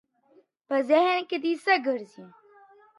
په ذهن کي دي څه ګرځي؟